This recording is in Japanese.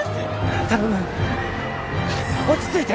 頼む落ち着いて。